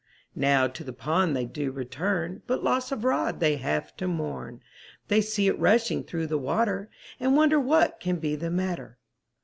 Now to the pond they do return, But loss of rod they have to mourn, They see it rushing through the water, And wonder what can be the matter.